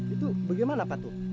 itu bagaimana pak tuh